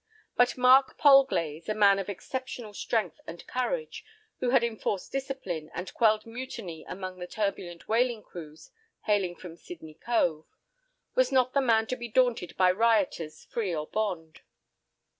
But Mark Polglase, a man of exceptional strength and courage, who had enforced discipline and quelled mutiny among the turbulent whaling crews hailing from Sydney Cove, was not the man to be daunted by rioters free or bond.